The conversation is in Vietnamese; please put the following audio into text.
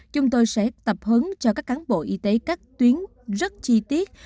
chúng tôi sẽ tập hướng cho các cán bộ y tế các tuyến rất chi tiết